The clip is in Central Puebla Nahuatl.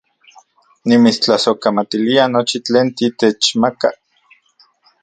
Nimitstlasojkamatilia nochi tlen titechmaka